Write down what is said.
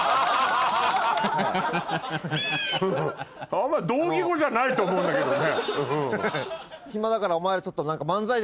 あんまり同義語じゃないと思うんだけどね。